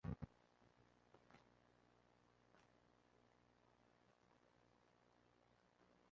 Entre ambas composiciones hay mínimas diferencias.